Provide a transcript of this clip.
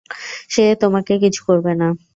সে তোমাকে কিছু করবে না।